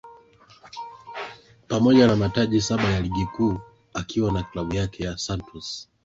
pamoja na mataji saba ya ligi kuu akiwa na klabu yake ya Santos